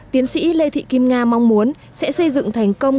tiến sĩ lê thị kim nga mong muốn sẽ xây dựng thành công